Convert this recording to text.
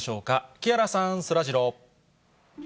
木原さん、そらジロー。